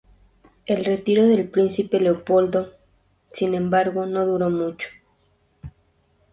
El retiro del Príncipe Leopoldo, sin embargo, no duró mucho.